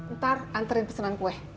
ntar anterin pesanan kue